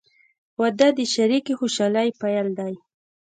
• واده د شریکې خوشحالۍ پیل دی.